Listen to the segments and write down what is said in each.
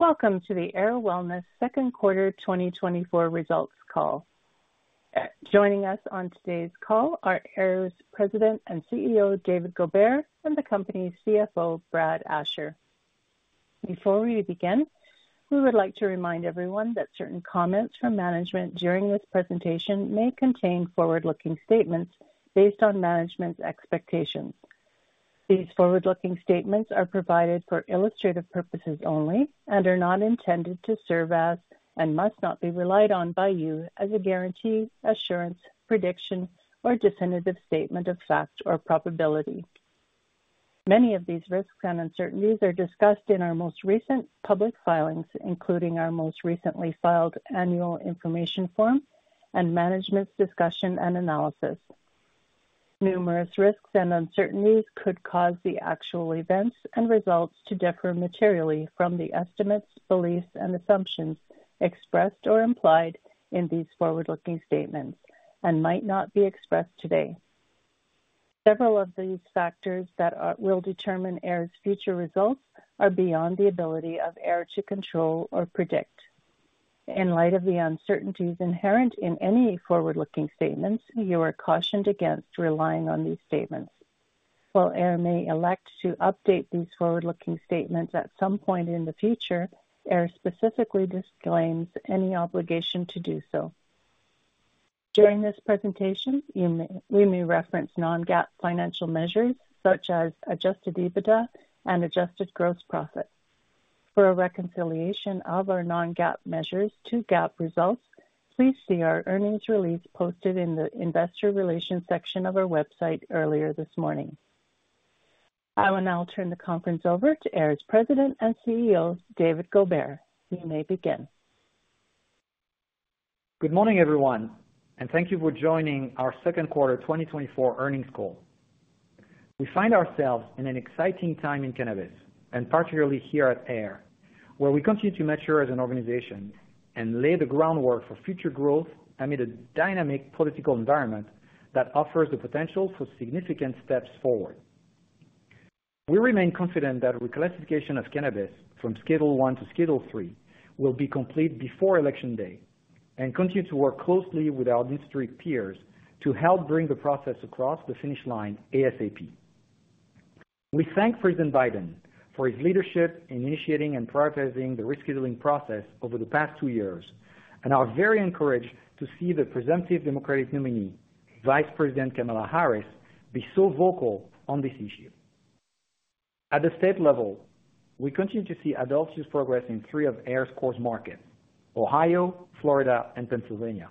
Welcome to the Ayr Wellness second quarter 2024 results call. Joining us on today's call are Ayr's President and CEO, David Goubert, and the company's CFO, Brad Asher. Before we begin, we would like to remind everyone that certain comments from management during this presentation may contain forward-looking statements based on management's expectations. These forward-looking statements are provided for illustrative purposes only and are not intended to serve as and must not be relied on by you as a guarantee, assurance, prediction, or definitive statement of fact or probability. Many of these risks and uncertainties are discussed in our most recent public filings, including our most recently filed annual information form and management's discussion and analysis. Numerous risks and uncertainties could cause the actual events and results to differ materially from the estimates, beliefs, and assumptions expressed or implied in these forward-looking statements and might not be expressed today. Several of these factors that will determine Ayr's future results are beyond the ability of Ayr to control or predict. In light of the uncertainties inherent in any forward-looking statements, you are cautioned against relying on these statements. While Ayr may elect to update these forward-looking statements at some point in the future, Ayr specifically disclaims any obligation to do so. During this presentation, we may reference non-GAAP financial measures such as adjusted EBITDA and adjusted gross profit. For a reconciliation of our non-GAAP measures to GAAP results, please see our earnings release posted in the investor relations section of our website earlier this morning. I will now turn the conference over to Ayr's President and CEO, David Goubert. You may begin. Good morning, everyone, and thank you for joining our second quarter 2024 earnings call. We find ourselves in an exciting time in cannabis, and particularly here at Ayr, where we continue to mature as an organization and lay the groundwork for future growth amid a dynamic political environment that offers the potential for significant steps forward. We remain confident that reclassification of cannabis from Schedule I to Schedule III will be complete before election day and continue to work closely with our industry peers to help bring the process across the finish line ASAP. We thank President Biden for his leadership in initiating and prioritizing the rescheduling process over the past two years and are very encouraged to see the presumptive Democratic nominee, Vice President Kamala Harris, be so vocal on this issue. At the state level, we continue to see adult use progress in three of Ayr's core markets: Ohio, Florida, and Pennsylvania.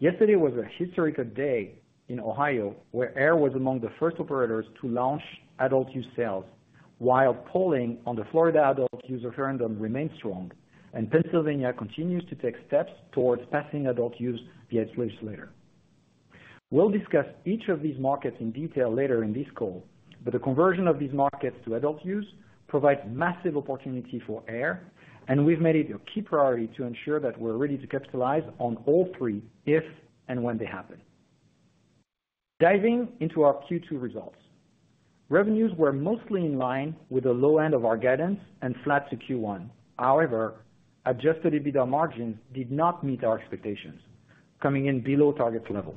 Yesterday was a historical day in Ohio where Ayr was among the first operators to launch adult use sales, while polling on the Florida adult use referendum remained strong, and Pennsylvania continues to take steps towards passing adult use via legislature. We'll discuss each of these markets in detail later in this call, but the conversion of these markets to adult use provides massive opportunity for Ayr, and we've made it a key priority to ensure that we're ready to capitalize on all three if and when they happen. Diving into our Q2 results, revenues were mostly in line with the low end of our guidance and flat to Q1. However, Adjusted EBITDA margins did not meet our expectations, coming in below target level.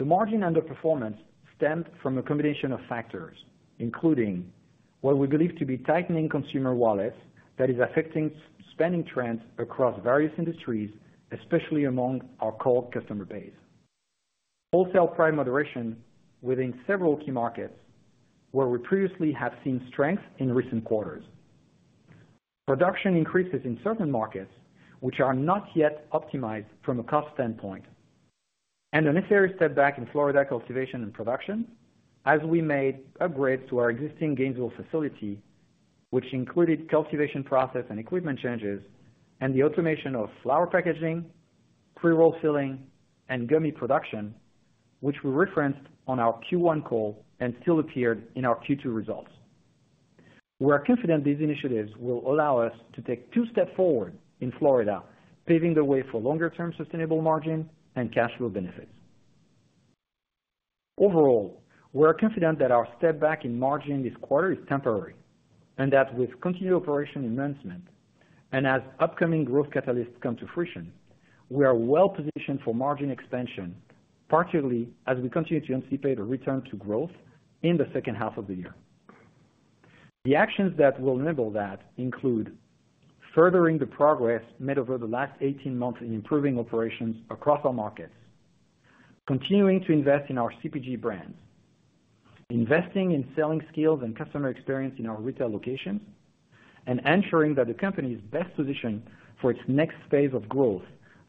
The margin underperformance stemmed from a combination of factors, including what we believe to be tightening consumer wallets that is affecting spending trends across various industries, especially among our core customer base, wholesale price moderation within several key markets where we previously have seen strength in recent quarters, production increases in certain markets, which are not yet optimized from a cost standpoint, and a necessary step back in Florida cultivation and production as we made upgrades to our existing Gainesville facility, which included cultivation process and equipment changes and the automation of flower packaging, pre-roll filling, and gummy production, which we referenced on our Q1 call and still appeared in our Q2 results. We are confident these initiatives will allow us to take two steps forward in Florida, paving the way for longer-term sustainable margin and cash flow benefits. Overall, we are confident that our step back in margin this quarter is temporary and that with continued operation enhancement and as upcoming growth catalysts come to fruition, we are well positioned for margin expansion, particularly as we continue to anticipate a return to growth in the second half of the year. The actions that will enable that include furthering the progress made over the last 18 months in improving operations across our markets, continuing to invest in our CPG brand, investing in selling skills and customer experience in our retail locations, and ensuring that the company is best positioned for its next phase of growth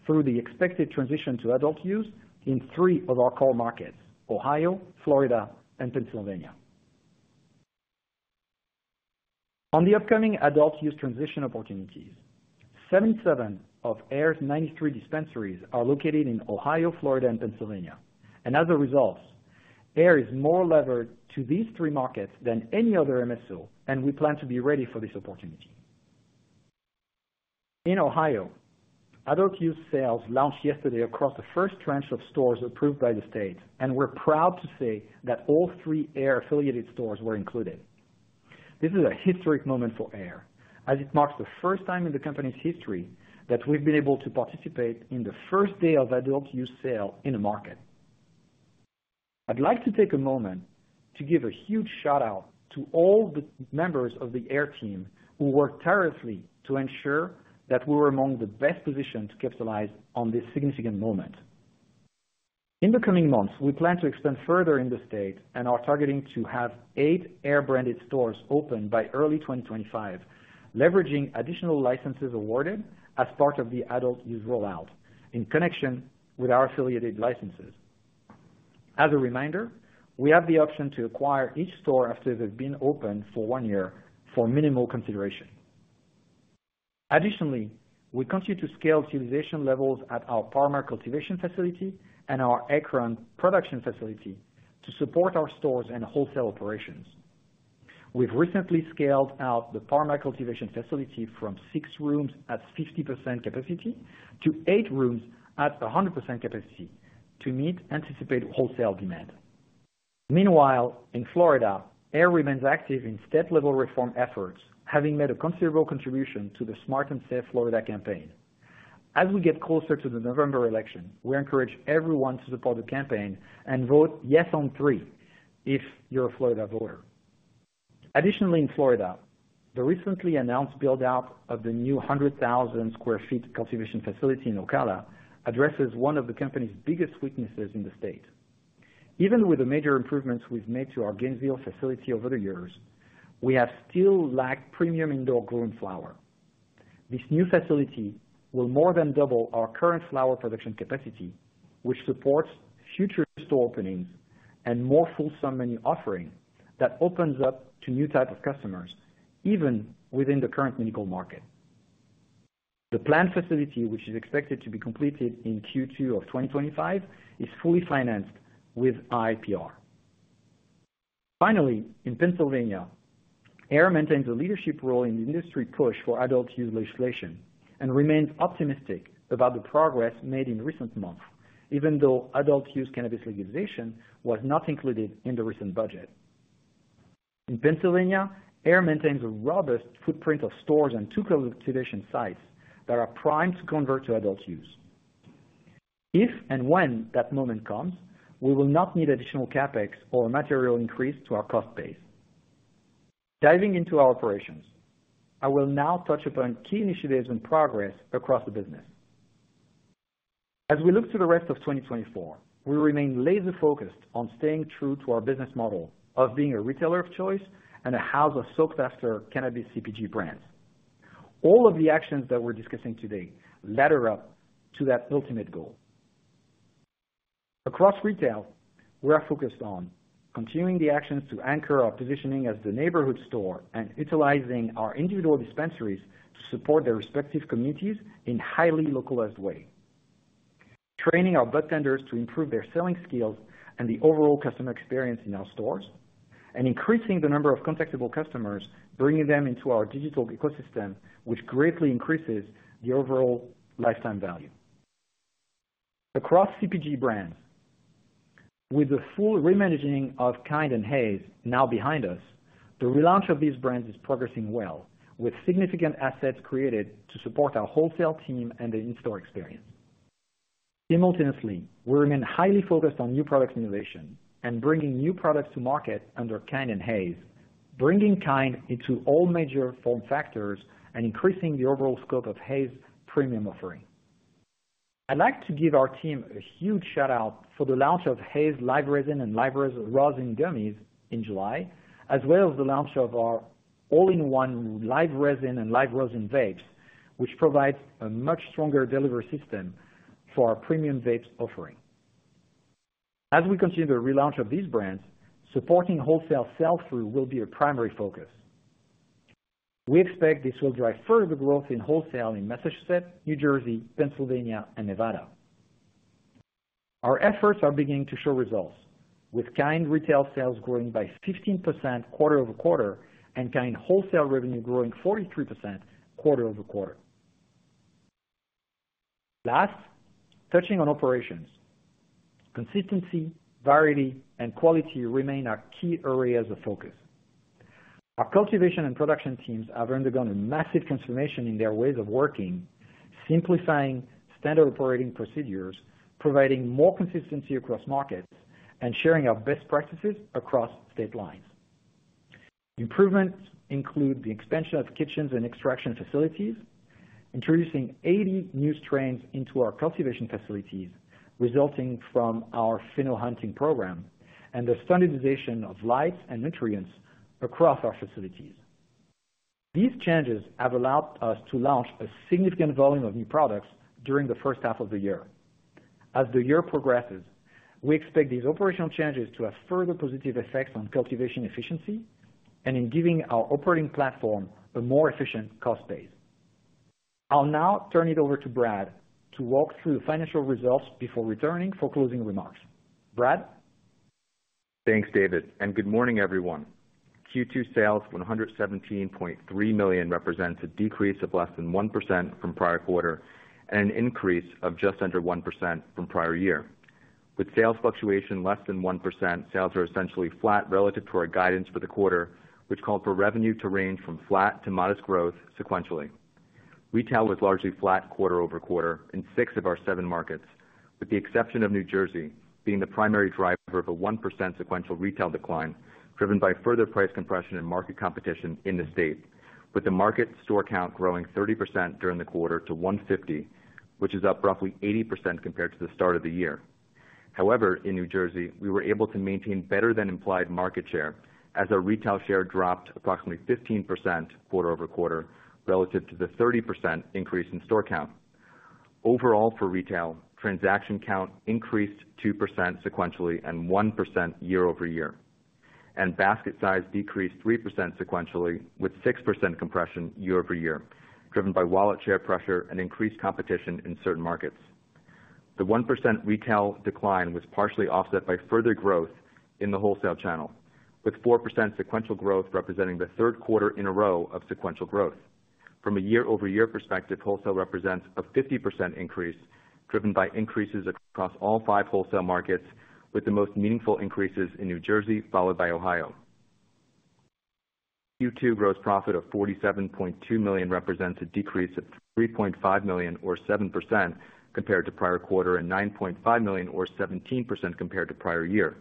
through the expected transition to adult use in three of our core markets: Ohio, Florida, and Pennsylvania. On the upcoming adult use transition opportunities, 77 of Ayr's 93 dispensaries are located in Ohio, Florida, and Pennsylvania. As a result, Ayr is more levered to these three markets than any other MSO, and we plan to be ready for this opportunity. In Ohio, adult-use sales launched yesterday across the first tranche of stores approved by the state, and we're proud to say that all three Ayr-affiliated stores were included. This is a historic moment for Ayr as it marks the first time in the company's history that we've been able to participate in the first day of adult-use sale in a market. I'd like to take a moment to give a huge shout-out to all the members of the Ayr team who worked tirelessly to ensure that we were among the best positioned to capitalize on this significant moment. In the coming months, we plan to expand further in the state and are targeting to have eight Ayr-branded stores open by early 2025, leveraging additional licenses awarded as part of the adult use rollout in connection with our affiliated licenses. As a reminder, we have the option to acquire each store after they've been open for one year for minimal consideration. Additionally, we continue to scale utilization levels at our Palmer cultivation facility and our Akron production facility to support our stores and wholesale operations. We've recently scaled out the Palmer cultivation facility from six rooms at 50% capacity to eight rooms at 100% capacity to meet anticipated wholesale demand. Meanwhile, in Florida, Ayr remains active in state-level reform efforts, having made a considerable contribution to the Smart & Safe Florida campaign. As we get closer to the November election, we encourage everyone to support the campaign and vote yes on 3 if you're a Florida voter. Additionally, in Florida, the recently announced build-out of the new 100,000 sq ft cultivation facility in Ocala addresses one of the company's biggest weaknesses in the state. Even with the major improvements we've made to our Gainesville facility over the years, we have still lacked premium indoor grown flower. This new facility will more than double our current flower production capacity, which supports future store openings and more fulsome menu offering that opens up to new types of customers even within the current medical market. The planned facility, which is expected to be completed in Q2 of 2025, is fully financed with IIPR. Finally, in Pennsylvania, Ayr maintains a leadership role in the industry push for adult use legislation and remains optimistic about the progress made in recent months, even though adult use cannabis legalization was not included in the recent budget. In Pennsylvania, Ayr maintains a robust footprint of stores and two cultivation sites that are primed to convert to adult use. If and when that moment comes, we will not need additional CapEx or a material increase to our cost base. Diving into our operations, I will now touch upon key initiatives and progress across the business. As we look to the rest of 2024, we remain laser-focused on staying true to our business model of being a retailer of choice and a house of sought-after cannabis CPG brand. All of the actions that we're discussing today ladder up to that ultimate goal. Across retail, we are focused on continuing the actions to anchor our positioning as the neighborhood store and utilizing our individual dispensaries to support their respective communities in a highly localized way. Training our budtenders to improve their selling skills and the overall customer experience in our stores, and increasing the number of contactable customers, bringing them into our digital ecosystem, which greatly increases the overall lifetime value. Across CPG brands, with the full reimagining of Kynd and HAZE now behind us, the relaunch of these brands is progressing well, with significant assets created to support our wholesale team and the in-store experience. Simultaneously, we remain highly focused on new product innovation and bringing new products to market under Kynd and HAZE, bringing Kynd into all major form factors and increasing the overall scope of HAZE's premium offering. I'd like to give our team a huge shout-out for the launch of HAZE live resin and live resin Gummies in July, as well as the launch of our all-in-one live resin and live resin Vapes, which provides a much stronger delivery system for our premium vapes offering. As we continue the relaunch of these brands, supporting wholesale sell-through will be a primary focus. We expect this will drive further growth in wholesale in Massachusetts, New Jersey, Pennsylvania, and Nevada. Our efforts are beginning to show results, with Kynd retail sales growing by 15% quarter-over-quarter and Kynd wholesale revenue growing 43% quarter-over-quarter. Last, touching on operations, consistency, variety, and quality remain our key areas of focus. Our cultivation and production teams have undergone a massive transformation in their ways of working, simplifying standard operating procedures, providing more consistency across markets, and sharing our best practices across state lines. Improvements include the expansion of kitchens and extraction facilities, introducing 80 new strains into our cultivation facilities, resulting from our pheno hunting program, and the standardization of lights and nutrients across our facilities. These changes have allowed us to launch a significant volume of new products during the first half of the year. As the year progresses, we expect these operational changes to have further positive effects on cultivation efficiency and in giving our operating platform a more efficient cost base. I'll now turn it over to Brad to walk through the financial results before returning for closing remarks. Brad. Thanks, David. And good morning, everyone. Q2 sales, $117.3 million represents a decrease of less than 1% from prior quarter and an increase of just under 1% from prior year. With sales fluctuation less than 1%, sales are essentially flat relative to our guidance for the quarter, which called for revenue to range from flat to modest growth sequentially. Retail was largely flat quarter-over-quarter in six of our seven markets, with the exception of New Jersey being the primary driver of a 1% sequential retail decline driven by further price compression and market competition in the state, with the market store count growing 30% during the quarter to 150, which is up roughly 80% compared to the start of the year. However, in New Jersey, we were able to maintain better than implied market share as our retail share dropped approximately 15% quarter-over-quarter relative to the 30% increase in store count. Overall, for retail, transaction count increased 2% sequentially and 1% year-over-year, and basket size decreased 3% sequentially with 6% compression year-over-year, driven by wallet share pressure and increased competition in certain markets. The 1% retail decline was partially offset by further growth in the wholesale channel, with 4% sequential growth representing the third quarter in a row of sequential growth. From a year-over-year perspective, wholesale represents a 50% increase driven by increases across all five wholesale markets, with the most meaningful increases in New Jersey followed by Ohio. Q2 gross profit of $47.2 million represents a decrease of $3.5 million, or 7%, compared to prior quarter and $9.5 million, or 17% compared to prior year.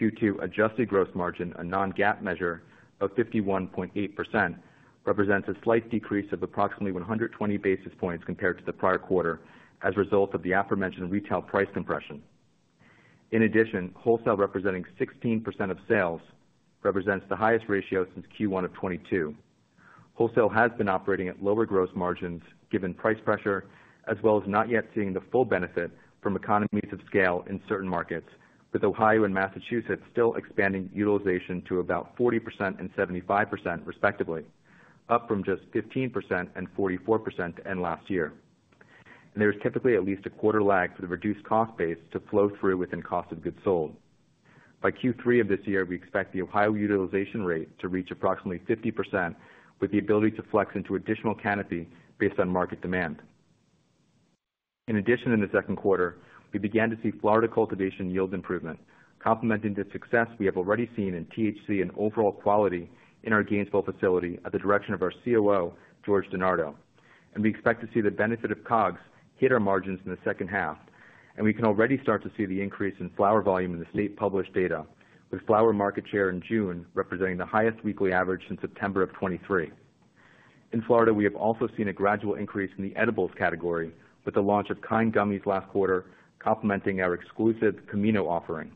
Q2 adjusted gross margin, a non-GAAP measure of 51.8%, represents a slight decrease of approximately 120 basis points compared to the prior quarter as a result of the aforementioned retail price compression. In addition, wholesale representing 16% of sales represents the highest ratio since Q1 of 2022. Wholesale has been operating at lower gross margins given price pressure, as well as not yet seeing the full benefit from economies of scale in certain markets, with Ohio and Massachusetts still expanding utilization to about 40% and 75%, respectively, up from just 15% and 44% end last year. There is typically at least a quarter lag for the reduced cost base to flow through within cost of goods sold. By Q3 of this year, we expect the Ohio utilization rate to reach approximately 50%, with the ability to flex into additional canopy based on market demand. In addition, in the second quarter, we began to see Florida cultivation yield improvement, complementing the success we have already seen in THC and overall quality in our Gainesville facility at the direction of our COO, George DeNardo. We expect to see the benefit of COGS hit our margins in the second half. We can already start to see the increase in flower volume in the state published data, with flower market share in June representing the highest weekly average since September of 2023. In Florida, we have also seen a gradual increase in the edibles category with the launch of Kynd gummies last quarter, complementing our exclusive Camino offering.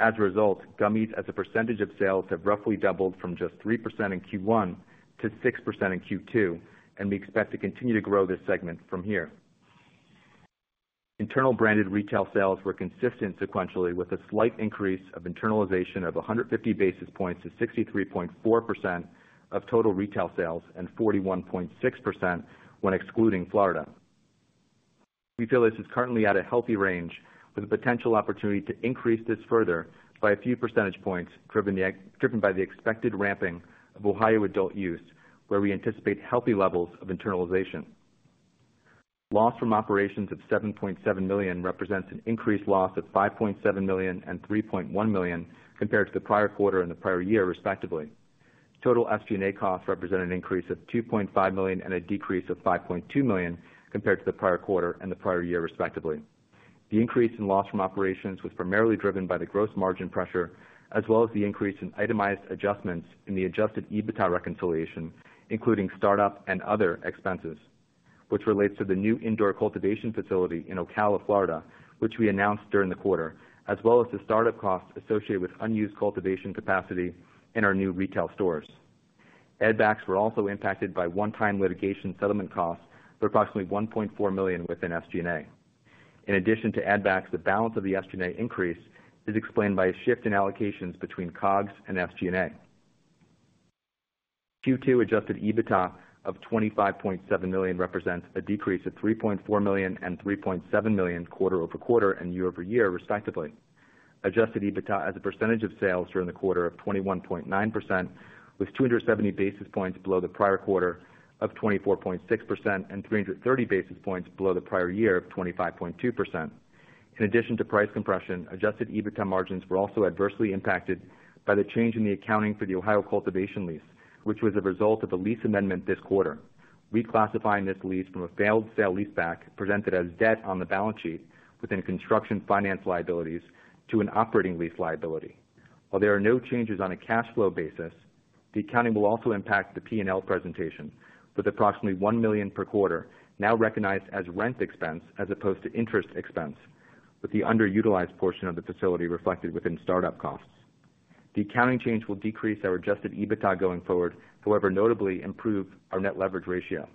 As a result, gummies as a percentage of sales have roughly doubled from just 3% in Q1 to 6% in Q2, and we expect to continue to grow this segment from here. Internal branded retail sales were consistent sequentially with a slight increase of internalization of 150 basis points to 63.4% of total retail sales and 41.6% when excluding Florida. We feel this is currently at a healthy range with a potential opportunity to increase this further by a few percentage points driven by the expected ramping of Ohio adult use, where we anticipate healthy levels of internalization. Loss from operations of $7.7 million represents an increased loss of $5.7 million and $3.1 million compared to the prior quarter and the prior year, respectively. Total SG&A costs represent an increase of $2.5 million and a decrease of $5.2 million compared to the prior quarter and the prior year, respectively. The increase in loss from operations was primarily driven by the gross margin pressure, as well as the increase in itemized adjustments in the adjusted EBITDA reconciliation, including startup and other expenses, which relates to the new indoor cultivation facility in Ocala, Florida, which we announced during the quarter, as well as the startup costs associated with unused cultivation capacity in our new retail stores. Adjusted EBITDA was also impacted by one-time litigation settlement costs for approximately $1.4 million within SG&A. In addition to Adjusted EBITDA, the balance of the SG&A increase is explained by a shift in allocations between COGS and SG&A. Q2 adjusted EBITDA of $25.7 million represents a decrease of $3.4 million and $3.7 million quarter-over-quarter and year-over-year, respectively. Adjusted EBITDA as a percentage of sales during the quarter of 21.9% was 270 basis points below the prior quarter of 24.6% and 330 basis points below the prior year of 25.2%. In addition to price compression, adjusted EBITDA margins were also adversely impacted by the change in the accounting for the Ohio cultivation lease, which was a result of a lease amendment this quarter. Reclassifying this lease from a failed sale leaseback presented as debt on the balance sheet within construction finance liabilities to an operating lease liability. While there are no changes on a cash flow basis, the accounting will also impact the P&L presentation with approximately $1 million per quarter now recognized as rent expense as opposed to interest expense, with the underutilized portion of the facility reflected within startup costs. The accounting change will decrease our adjusted EBITDA going forward, however, notably improve our net leverage ratio.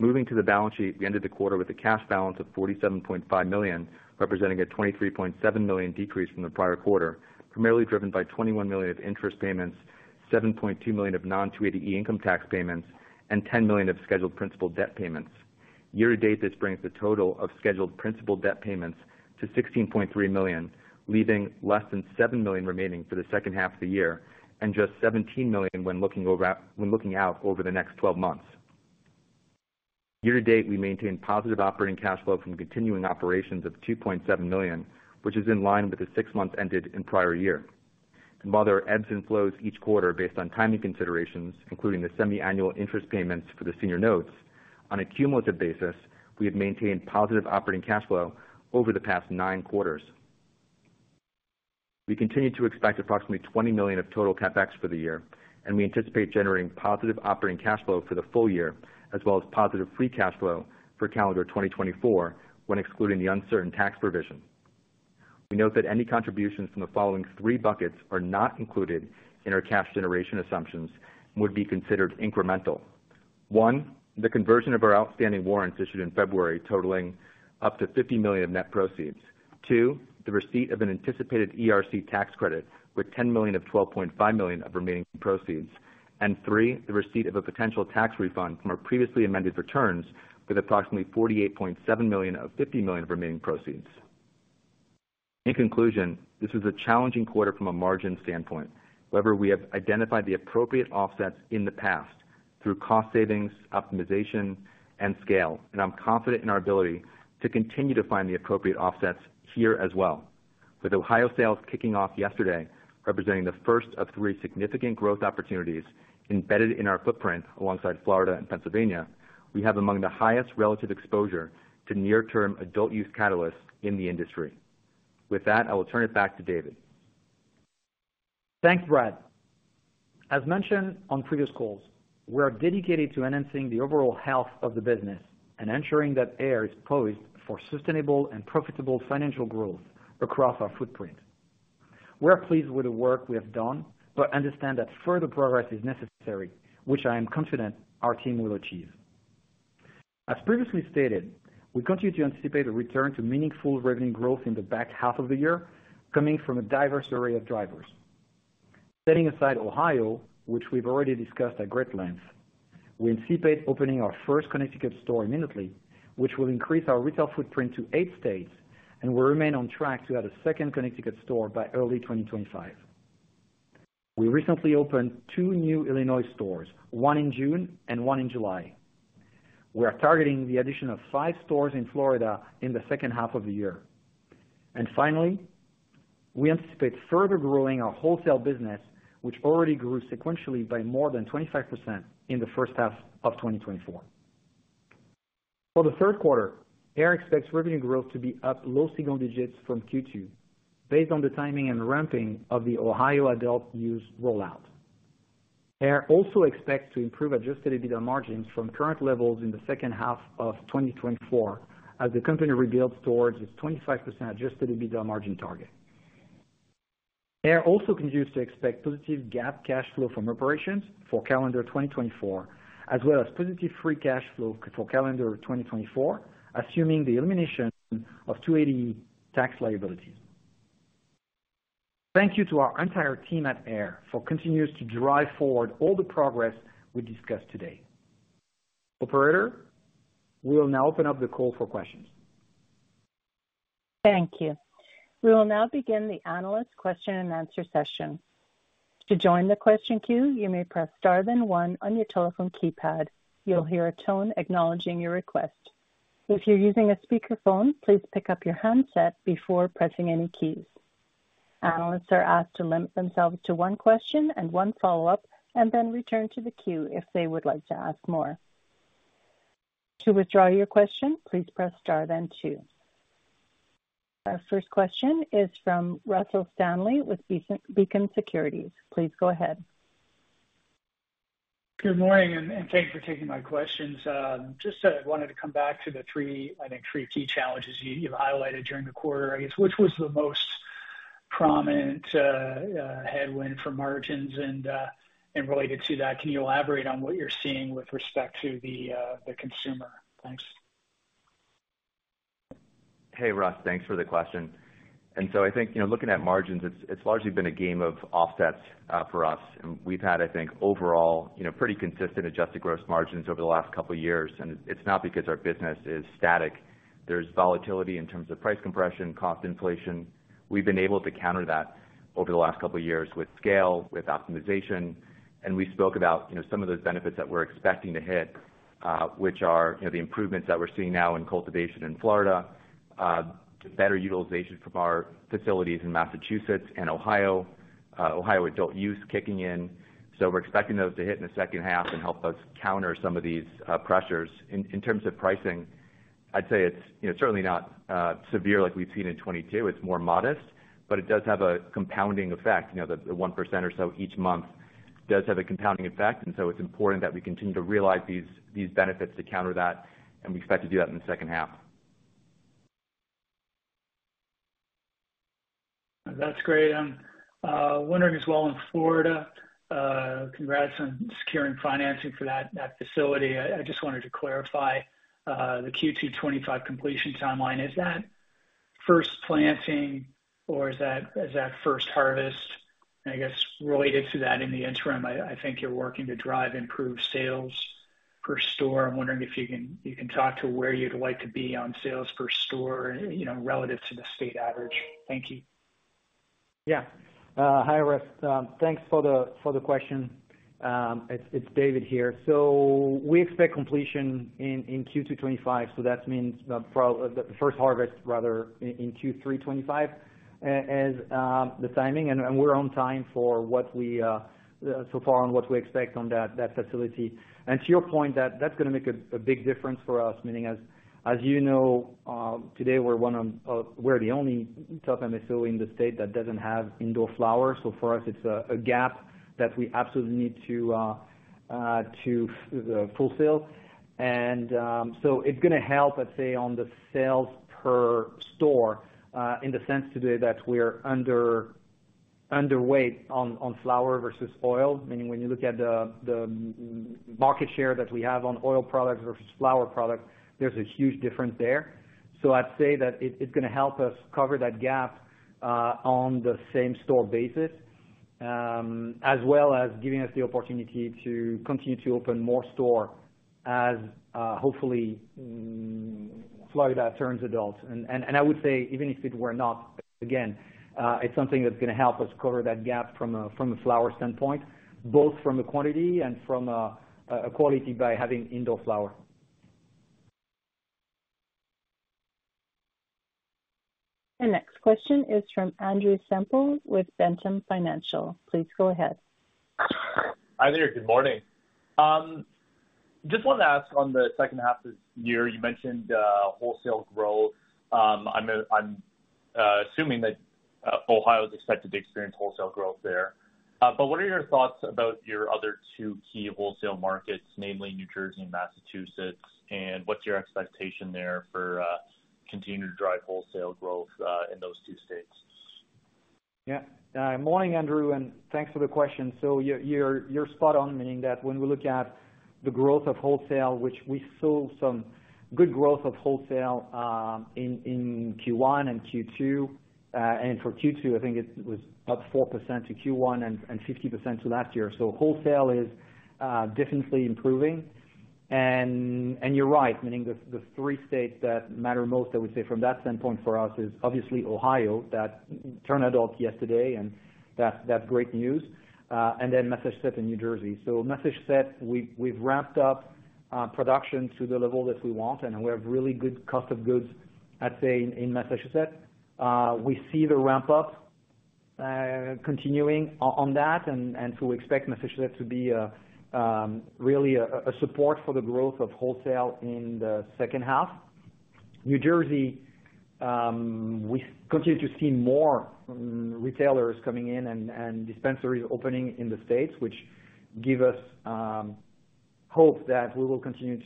Moving to the balance sheet, we ended the quarter with a cash balance of $47.5 million, representing a $23.7 million decrease from the prior quarter, primarily driven by $21 million of interest payments, $7.2 million of non-280E income tax payments, and $10 million of scheduled principal debt payments. Year-to-date, this brings the total of scheduled principal debt payments to $16.3 million, leaving less than $7 million remaining for the second half of the year and just $17 million when looking out over the next 12 months. Year-to-date, we maintain positive operating cash flow from continuing operations of $2.7 million, which is in line with the six-month ended in prior year. While there are ebbs and flows each quarter based on timing considerations, including the semi-annual interest payments for the senior notes, on a cumulative basis, we have maintained positive operating cash flow over the past 9 quarters. We continue to expect approximately $20 million of total CapEx for the year, and we anticipate generating positive operating cash flow for the full year, as well as positive free cash flow for calendar 2024 when excluding the uncertain tax provision. We note that any contributions from the following three buckets are not included in our cash generation assumptions and would be considered incremental. One, the conversion of our outstanding warrants issued in February totaling up to $50 million of net proceeds. Two, the receipt of an anticipated ERC tax credit with $10 million of $12.5 million of remaining proceeds. And three, the receipt of a potential tax refund from our previously amended returns with approximately $48.7 million of $50 million remaining proceeds. In conclusion, this was a challenging quarter from a margin standpoint. However, we have identified the appropriate offsets in the past through cost savings, optimization, and scale, and I'm confident in our ability to continue to find the appropriate offsets here as well. With Ohio sales kicking off yesterday, representing the first of three significant growth opportunities embedded in our footprint alongside Florida and Pennsylvania, we have among the highest relative exposure to near-term adult use catalysts in the industry. With that, I will turn it back to David. Thanks, Brad. As mentioned on previous calls, we are dedicated to enhancing the overall health of the business and ensuring that Ayr is poised for sustainable and profitable financial growth across our footprint. We are pleased with the work we have done, but understand that further progress is necessary, which I am confident our team will achieve. As previously stated, we continue to anticipate a return to meaningful revenue growth in the back half of the year coming from a diverse array of drivers. Setting aside Ohio, which we've already discussed at great length, we anticipate opening our first Connecticut store imminently, which will increase our retail footprint to eight states and will remain on track to add a second Connecticut store by early 2025. We recently opened two new Illinois stores, one in June and one in July. We are targeting the addition of five stores in Florida in the second half of the year. And finally, we anticipate further growing our wholesale business, which already grew sequentially by more than 25% in the first half of 2024. For the third quarter, Ayr expects revenue growth to be up low single digits from Q2, based on the timing and ramping of the Ohio adult use rollout. Ayr also expects to improve adjusted EBITDA margins from current levels in the second half of 2024 as the company rebuilds towards its 25% adjusted EBITDA margin target. Ayr also continues to expect positive GAAP cash flow from operations for calendar 2024, as well as positive free cash flow for calendar 2024, assuming the elimination of 280E tax liabilities. Thank you to our entire team at Ayr for continuing to drive forward all the progress we discussed today. Operator, we will now open up the call for questions. Thank you. We will now begin the analyst question and answer session. To join the question queue, you may press star then one on your telephone keypad. You'll hear a tone acknowledging your request. If you're using a speakerphone, please pick up your handset before pressing any keys. Analysts are asked to limit themselves to one question and one follow-up, and then return to the queue if they would like to ask more. To withdraw your question, please press star then two. Our first question is from Russell Stanley with Beacon Securities. Please go ahead. Good morning and thanks for taking my questions. Just wanted to come back to the three, I think three key challenges you've highlighted during the quarter. I guess, which was the most prominent headwind for margins? And related to that, can you elaborate on what you're seeing with respect to the consumer? Thanks. Hey, Russ, thanks for the question. And so I think, you know, looking at margins, it's largely been a game of offsets for us. And we've had, I think, overall, you know, pretty consistent adjusted gross margins over the last couple of years. And it's not because our business is static. There's volatility in terms of price compression, cost inflation. We've been able to counter that over the last couple of years with scale, with optimization. And we spoke about, you know, some of those benefits that we're expecting to hit, which are, you know, the improvements that we're seeing now in cultivation in Florida, better utilization from our facilities in Massachusetts and Ohio, Ohio adult use kicking in. So we're expecting those to hit in the second half and help us counter some of these pressures. In terms of pricing, I'd say it's, you know, certainly not severe like we've seen in 2022. It's more modest, but it does have a compounding effect. You know, the 1% or so each month does have a compounding effect. And so it's important that we continue to realize these benefits to counter that. And we expect to do that in the second half. That's great. I'm wondering as well in Florida, congrats on securing financing for that facility. I just wanted to clarify the Q2 2025 completion timeline. Is that first planting or is that first harvest? And I guess related to that in the interim, I think you're working to drive improved sales per store. I'm wondering if you can talk to where you'd like to be on sales per store, you know, relative to the state average. Thank you. Yeah. Hi, Russ. Thanks for the question. It's David here. So we expect completion in Q2 2025. So that means the first harvest, rather, in Q3 2025 is the timing. And we're on time for what we so far on what we expect on that facility. And to your point, that's going to make a big difference for us, meaning as you know, today we're one of, we're the only top MSO in the state that doesn't have indoor flowers. So for us, it's a gap that we absolutely need to fulfill. And so it's going to help, I'd say, on the sales per store in the sense today that we're underweight on flower versus oil, meaning when you look at the market share that we have on oil products versus flower products, there's a huge difference there. So I'd say that it's going to help us cover that gap on the same store basis, as well as giving us the opportunity to continue to open more stores as hopefully Florida turns adult. And I would say, even if it were not, again, it's something that's going to help us cover that gap from a flower standpoint, both from a quantity and from a quality by having indoor flower. The next question is from Andrew Semple with Ventum Financial. Please go ahead. Hi there. Good morning. Just wanted to ask on the second half of the year, you mentioned wholesale growth. I'm assuming that Ohio is expected to experience wholesale growth there. But what are your thoughts about your other two key wholesale markets, namely New Jersey and Massachusetts? And what's your expectation there for continuing to drive wholesale growth in those two states? Yeah. Good morning, Andrew, and thanks for the question. So you're spot on, meaning that when we look at the growth of wholesale, which we saw some good growth of wholesale in Q1 and Q2. And for Q2, I think it was up 4% to Q1 and 50% to last year. So wholesale is definitely improving. And you're right, meaning the three states that matter most, I would say from that standpoint for us is obviously Ohio that turned adult yesterday and that's great news. And then Massachusetts and New Jersey. So Massachusetts, we've ramped up production to the level that we want, and we have really good cost of goods, I'd say, in Massachusetts. We see the ramp-up continuing on that, and so we expect Massachusetts to be really a support for the growth of wholesale in the second half. New Jersey, we continue to see more retailers coming in and dispensaries opening in the states, which gives us hope that we will continue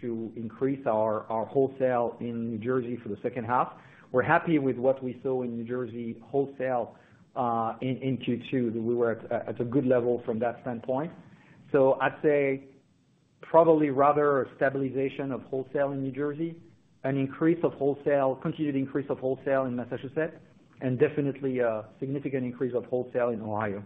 to increase our wholesale in New Jersey for the second half. We're happy with what we saw in New Jersey wholesale in Q2. We were at a good level from that standpoint. So I'd say probably rather stabilization of wholesale in New Jersey, an increase of wholesale, continued increase of wholesale in Massachusetts, and definitely a significant increase of wholesale in Ohio.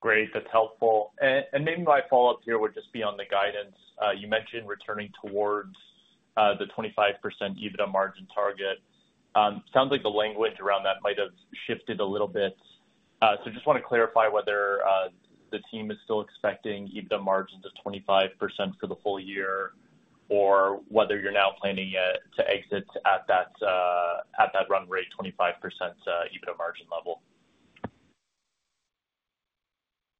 Great. That's helpful. And maybe my follow-up here would just be on the guidance. You mentioned returning towards the 25% EBITDA margin target. Sounds like the language around that might have shifted a little bit. So just want to clarify whether the team is still expecting EBITDA margins of 25% for the full year or whether you're now planning to exit at that run rate, 25% EBITDA margin level?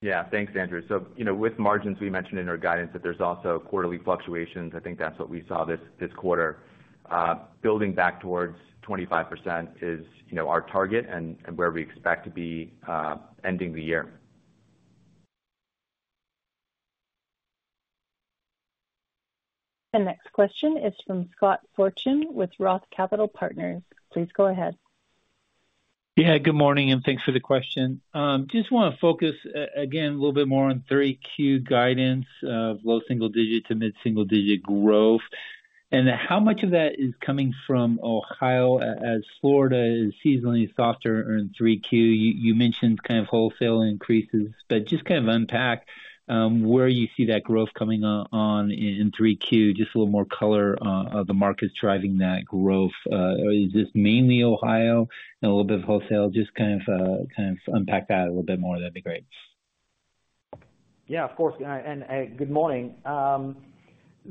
Yeah, thanks, Andrew. So you know with margins we mentioned in our guidance that there's also quarterly fluctuations. I think that's what we saw this quarter. Building back towards 25% is our target and where we expect to be ending the year. The next question is from Scott Fortune with Roth Capital Partners. Please go ahead. Yeah, good morning and thanks for the question. Just want to focus again a little bit more on 3Q guidance of low-single-digit to mid-single-digit growth. And how much of that is coming from Ohio as Florida is seasonally softer in 3Q? You mentioned kind of wholesale increases, but just kind of unpack where you see that growth coming on in 3Q, just a little more color of the markets driving that growth. Is this mainly Ohio and a little bit of wholesale? Just kind of unpack that a little bit more. That'd be great. Yeah, of course. And good morning.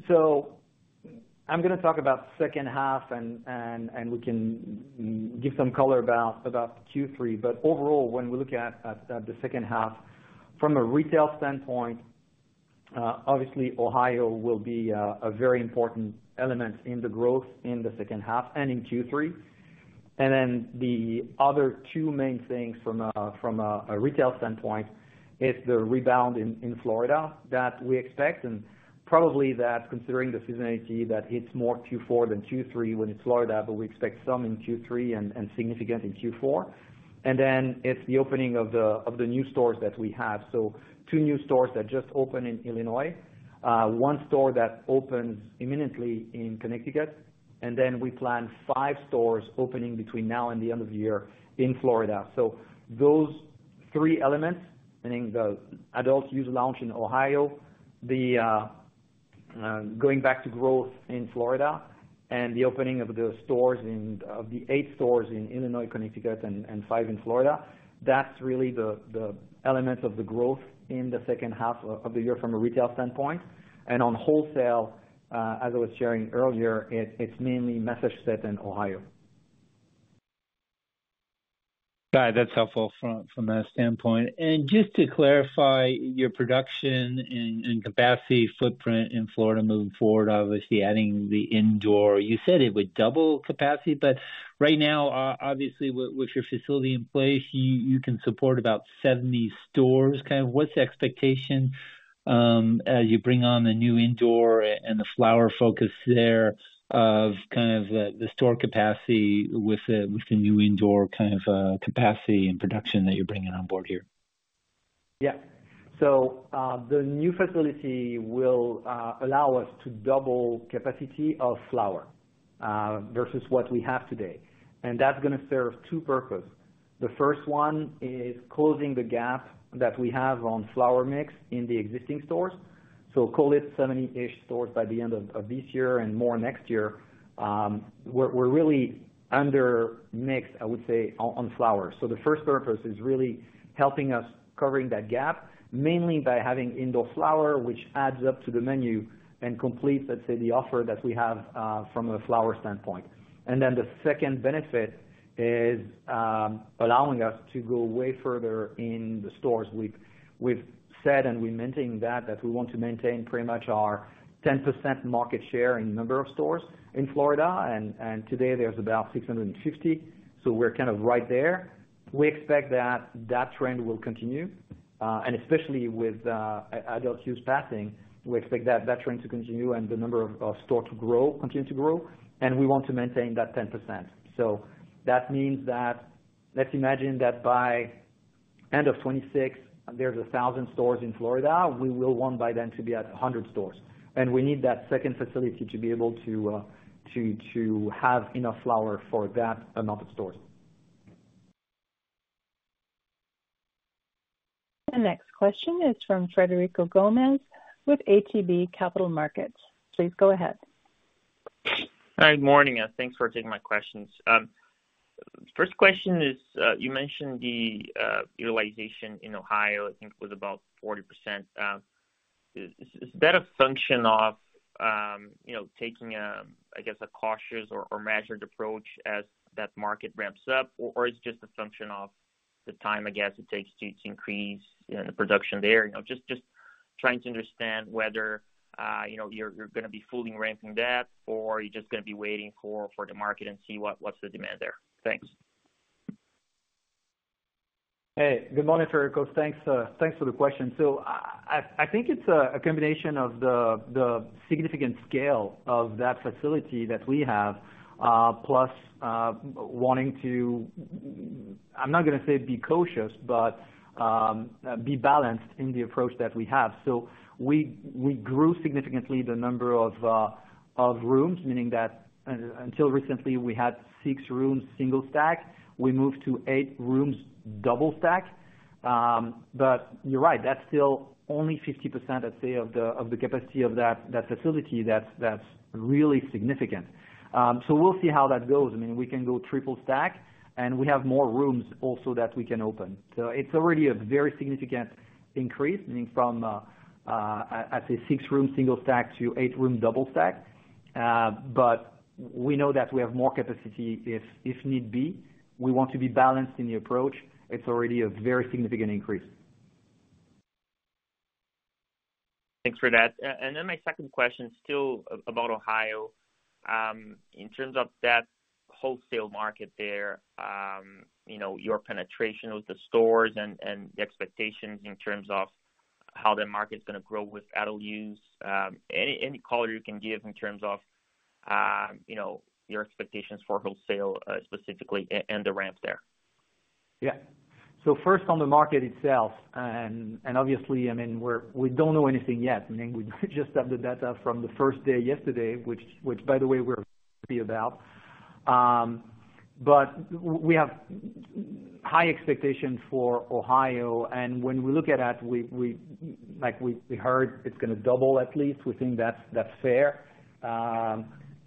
So I'm going to talk about the second half, and we can give some color about Q3. But overall, when we look at the second half, from a retail standpoint, obviously Ohio will be a very important element in the growth in the second half and in Q3. And then the other 2 main things from a retail standpoint is the rebound in Florida that we expect. And probably that, considering the seasonality, that it's more Q4 than Q3 when it's Florida, but we expect some in Q3 and significant in Q4. And then it's the opening of the new stores that we have. So 2 new stores that just opened in Illinois, 1 store that opens imminently in Connecticut, and then we plan 5 stores opening between now and the end of the year in Florida. So those three elements, meaning the adult-use launch in Ohio, the going back to growth in Florida, and the opening of the 8 stores in Illinois, Connecticut, and 5 in Florida, that's really the elements of the growth in the second half of the year from a retail standpoint. And on wholesale, as I was sharing earlier, it's mainly Massachusetts and Ohio. That's helpful from that standpoint. Just to clarify your production and capacity footprint in Florida moving forward, obviously adding the indoor, you said it would double capacity, but right now, obviously with your facility in place, you can support about 70 stores. Kind of what's the expectation as you bring on the new indoor and the flower focus there of kind of the store capacity with the new indoor kind of capacity and production that you're bringing on board here? Yeah. So the new facility will allow us to double capacity of flower versus what we have today. And that's going to serve two purposes. The first one is closing the gap that we have on flower mix in the existing stores. So call it 70-ish stores by the end of this year and more next year. We're really under mixed, I would say, on flowers. So the first purpose is really helping us cover that gap, mainly by having indoor flower, which adds up to the menu and completes, let's say, the offer that we have from a flower standpoint. And then the second benefit is allowing us to go way further in the stores. We've said and we're maintaining that, that we want to maintain pretty much our 10% market share in number of stores in Florida. And today there's about 650. So we're kind of right there. We expect that that trend will continue. Especially with adult use passing, we expect that that trend to continue and the number of stores to grow, continue to grow. We want to maintain that 10%. That means that let's imagine that by end of 2026, there's 1,000 stores in Florida. We will want by then to be at 100 stores. We need that second facility to be able to have enough flower for that amount of stores. The next question is from Frederico Gomes with ATB Capital Markets. Please go ahead. Hi, good morning. Thanks for taking my questions. First question is, you mentioned the utilization in Ohio, I think it was about 40%. Is that a function of, you know, taking, I guess, a cautious or measured approach as that market ramps up, or is it just a function of the time, I guess, it takes to increase the production there? You know, just trying to understand whether, you know, you're going to be fully ramping that or you're just going to be waiting for the market and see what's the demand there. Thanks. Hey, good morning, Frederico. Thanks for the question. So I think it's a combination of the significant scale of that facility that we have, plus wanting to, I'm not going to say be cautious, but be balanced in the approach that we have. So we grew significantly the number of rooms, meaning that until recently we had 6 rooms single stack, we moved to 8 rooms double stack. But you're right, that's still only 50%, I'd say, of the capacity of that facility that's really significant. So we'll see how that goes. I mean, we can go triple stack and we have more rooms also that we can open. So it's already a very significant increase, meaning from, I'd say, 6 rooms single stack to 8 rooms double stack. But we know that we have more capacity if need be. We want to be balanced in the approach. It's already a very significant increase. Thanks for that. And then my second question is still about Ohio. In terms of that wholesale market there, you know, your penetration of the stores and the expectations in terms of how the market's going to grow with adult use, any color you can give in terms of, you know, your expectations for wholesale specifically and the ramp there? Yeah. So first on the market itself, and obviously, I mean, we don't know anything yet. I mean, we just have the data from the first day yesterday, which, by the way, we're happy about. But we have high expectations for Ohio. And when we look at that, like we heard, it's going to double at least. We think that's fair.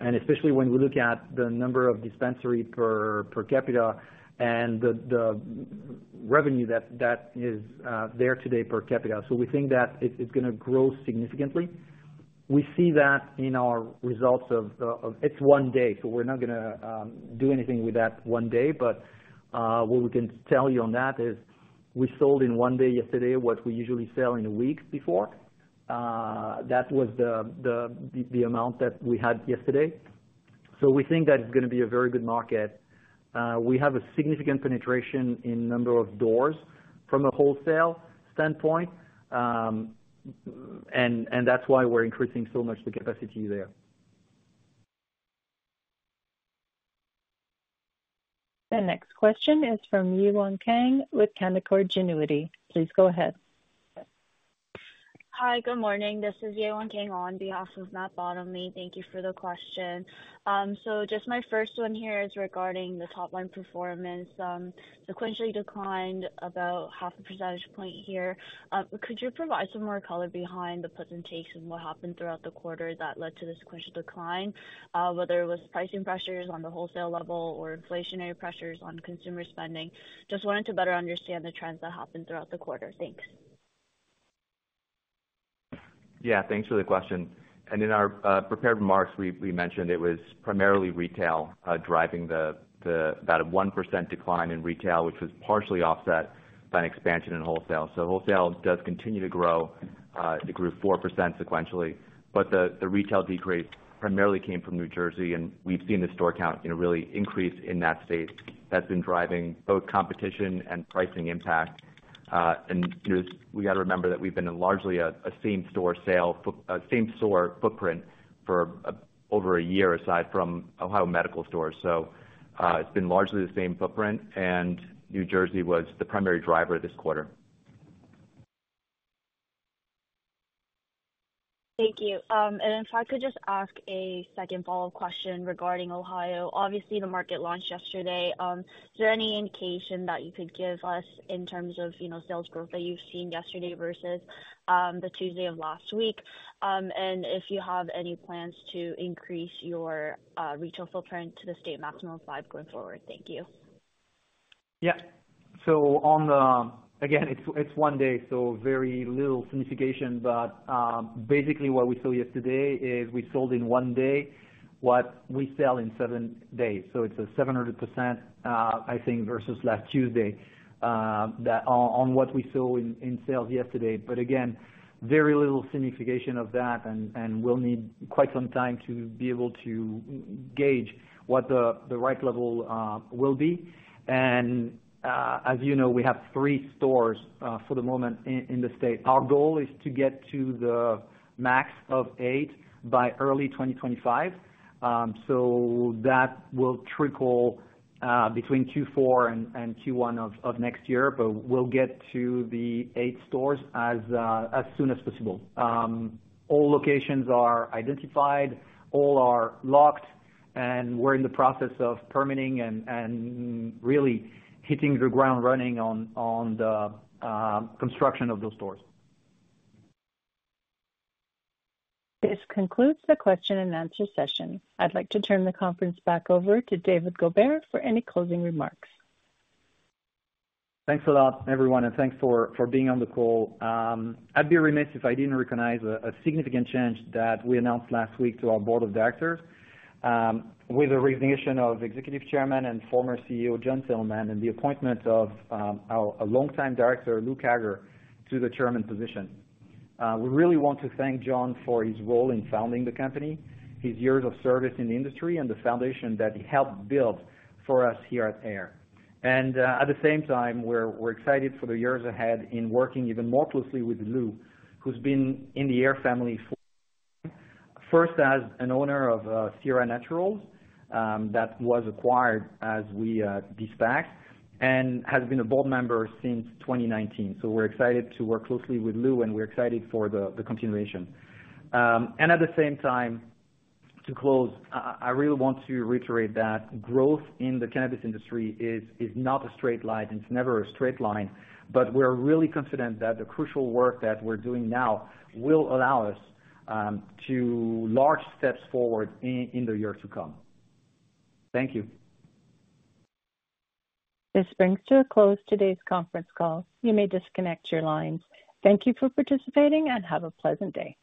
And especially when we look at the number of dispensaries per capita and the revenue that is there today per capita. So we think that it's going to grow significantly. We see that in our results of, it's one day. So we're not going to do anything with that one day. But what we can tell you on that is we sold in one day yesterday what we usually sell in a week before. That was the amount that we had yesterday. We think that it's going to be a very good market. We have a significant penetration in number of doors from a wholesale standpoint. That's why we're increasing so much the capacity there. The next question is from Yewon Kang with Canaccord Genuity. Please go ahead. Hi, good morning. This is Yewon Kang on behalf of Matt Bottomley. Thank you for the question. So just my first one here is regarding the top line performance. The question declined about 0.5 percentage point here. Could you provide some more color behind the presentation? What happened throughout the quarter that led to this sequential decline, whether it was pricing pressures on the wholesale level or inflationary pressures on consumer spending? Just wanted to better understand the trends that happened throughout the quarter. Thanks. Yeah, thanks for the question. In our prepared remarks, we mentioned it was primarily retail driving about a 1% decline in retail, which was partially offset by an expansion in wholesale. Wholesale does continue to grow. It grew 4% sequentially. The retail decrease primarily came from New Jersey. We've seen the store count really increase in that state. That's been driving both competition and pricing impact. We got to remember that we've been largely a same store sale for a same store footprint for over a year aside from Ohio medical stores. It's been largely the same footprint. New Jersey was the primary driver this quarter. Thank you. If I could just ask a second follow-up question regarding Ohio. Obviously, the market launched yesterday. Is there any indication that you could give us in terms of sales growth that you've seen yesterday versus the Tuesday of last week? And if you have any plans to increase your retail footprint to the state maximum of five going forward? Thank you. Yeah. So on the, again, it's one day, so very little signification. But basically what we saw yesterday is we sold in one day what we sell in seven days. So it's a 700%, I think, versus last Tuesday on what we saw in sales yesterday. But again, very little signification of that. And we'll need quite some time to be able to gauge what the right level will be. And as you know, we have three stores for the moment in the state. Our goal is to get to the max of eight by early 2025. So that will trickle between Q4 and Q1 of next year, but we'll get to the eight stores as soon as possible. All locations are identified, all are locked, and we're in the process of permitting and really hitting the ground running on the construction of those stores. This concludes the question and answer session. I'd like to turn the conference back over to David Goubert for any closing remarks. Thanks a lot, everyone. Thanks for being on the call. I'd be remiss if I didn't recognize a significant change that we announced last week to our board of directors with the resignation of Executive Chairman and former CEO Jonathan Sandelman and the appointment of our longtime director, Louis Karger, to the chairman position. We really want to thank John for his role in founding the company, his years of service in the industry, and the foundation that he helped build for us here at Ayr. And at the same time, we're excited for the years ahead in working even more closely with Lou, who's been in the Ayr family first as an owner of Sira Naturals that was acquired as we expanded and has been a board member since 2019. So we're excited to work closely with Lou, and we're excited for the continuation. At the same time, to close, I really want to reiterate that growth in the cannabis industry is not a straight line. It's never a straight line. But we're really confident that the crucial work that we're doing now will allow us to take large steps forward in the year to come. Thank you. This brings to a close today's conference call. You may disconnect your lines. Thank you for participating and have a pleasant day.